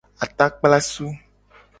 Atakplasu.